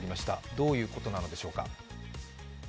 どういうことなのでしょうか？